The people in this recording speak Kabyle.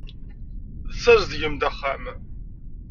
Tessazedgem-d axxam.